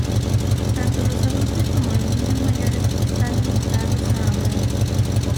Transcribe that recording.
Tanto los adultos como los niños mayores están invitados a hablar.